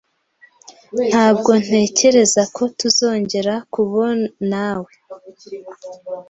Ntabwo ntekereza ko tuzongera kubonawe .